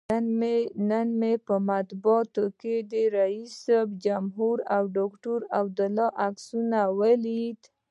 نن مې په مطبوعاتو کې د جمهور رئیس او ډاکتر عبدالله عکسونه ولیدل.